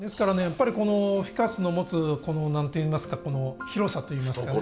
やっぱりこのフィカスの持つ何といいますかこの広さといいますか。